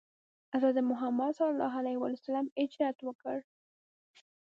حضرت محمد ﷺ هجرت وکړ.